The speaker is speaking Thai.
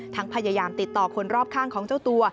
พยายามติดต่อคนรอบข้างของเจ้าตัว